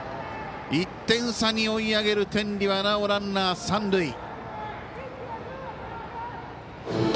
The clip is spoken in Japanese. １点差に追い上げる天理はなおランナー、三塁。